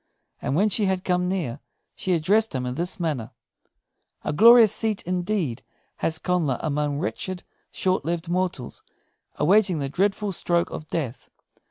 And when she had come near, she addressed him in this manner: "A glorious seat, indeed, has Connla among wretched, short lived mortals, awaiting the dreadful stroke of death!